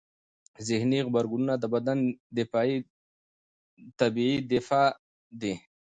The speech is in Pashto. ذهني غبرګونونه د بدن طبیعي دفاع دی.